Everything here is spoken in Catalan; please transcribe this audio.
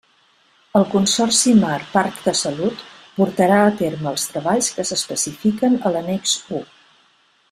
El Consorci Mar Parc de Salut portarà a terme els treballs que s'especifiquen a l'annex u.